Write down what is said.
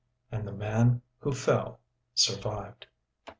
And the man who fell survived.